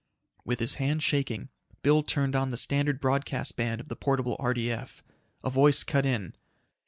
With his hand shaking, Bill turned on the standard broadcast band of the portable RDF. A voice cut in